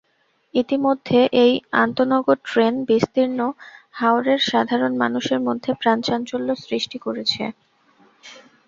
ইতিমধ্যেএই আন্তনগর ট্রেন বিস্তীর্ণ হাওরের সাধারণ মানুষের মধ্যে প্রাণচাঞ্চল্য সৃষ্টি করেছে।